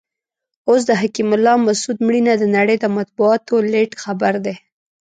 اوس د حکیم الله مسود مړینه د نړۍ د مطبوعاتو لیډ خبر دی.